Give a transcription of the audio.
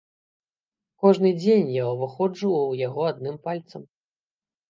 Кожны дзень я ўваходжу ў яго адным пальцам.